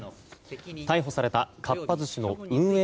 逮捕されたかっぱ寿司の運営